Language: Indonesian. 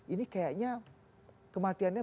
ini kayaknya kematiannya